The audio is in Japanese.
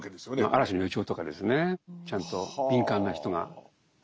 嵐の予兆とかですねちゃんと敏感な人が。は。